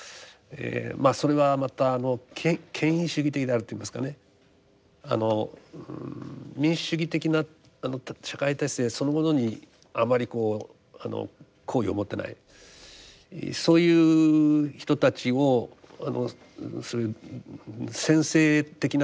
まあそれはまた権威主義的であるといいますかねあの民主主義的な社会体制そのものにあまりこう好意を持ってないそういう人たちをあのそういう専制的な手法を持つ政治家ですね。